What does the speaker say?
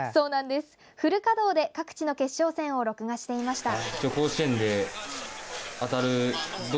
フル稼働で各地の決勝戦を録画していました。